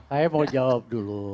saya mau jawab dulu